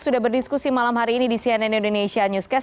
sudah berdiskusi malam hari ini di cnn indonesia newscast